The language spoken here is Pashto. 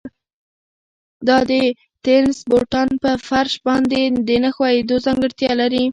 دا د تېنس بوټان په فرش باندې د نه ښویېدو ځانګړتیا لري.